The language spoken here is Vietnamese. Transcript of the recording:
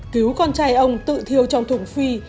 cứu con trai ông tự thiêu trong thùng phi